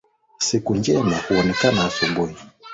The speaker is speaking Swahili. Siku njema huonekana asubuhi.